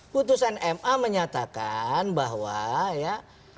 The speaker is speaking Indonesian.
putusan ma menyatakan bahwa ya